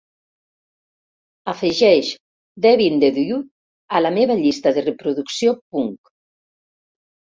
Afegeix "devin the dude" a la meva llista de reproducció Punk.